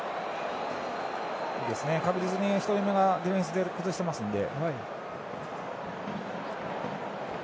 確実に１人目がディフェンスで崩してますので。